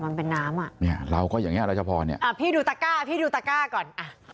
มันเป็นน้ำเราก็อย่างนี้พี่ดูตะก้าก่อน